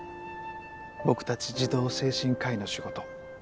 僕たち児童精神科医の仕事。